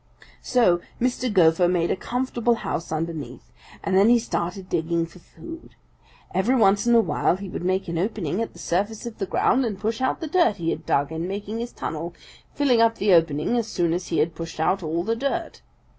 "So Mr. Gopher made a comfortable house underground, and then he started digging for food. Every once in a while he would make an opening at the surface of the ground and push out the dirt he had dug in making his tunnel, filling up the opening as soon as he had pushed out all the dirt.